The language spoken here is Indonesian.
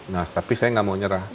nah tapi saya nggak mau nyerah